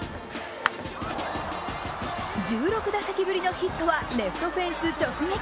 １６打席ぶりのヒットはレフトフェンス直撃。